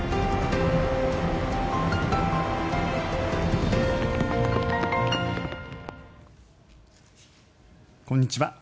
こんにちは。